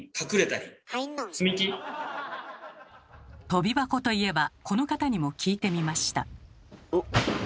とび箱といえばこの方にも聞いてみました。